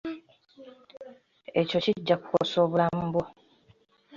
Ekyo kijja kukosa obulamu bwo.